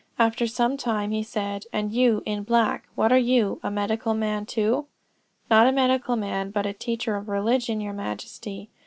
After some time he said, 'And you, in black, what are you? a medical man too?' 'Not a medical man, but a teacher of religion, your Majesty.'